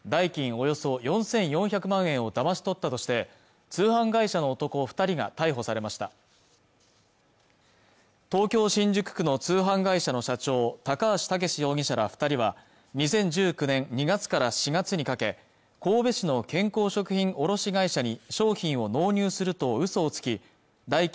およそ４４００万円をだまし取ったとして通販会社の男二人が逮捕されました東京・新宿区の通販会社の社長高橋武士容疑者ら二人は２０１９年２月から４月にかけ神戸市の健康食品卸会社に商品を納入するとうそをつき代金